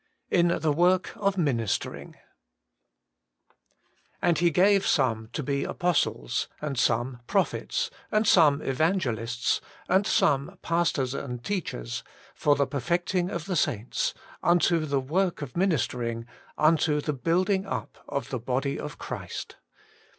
XV irn tbe Motk of /iDlntsterma * And he gave some to be apostles ; and some, prophets ; and some, evangelists ; and some, pas tors and teachers ; for the perfecting of the saints, unto the work of ministering, unto the building up of the body of Christ.'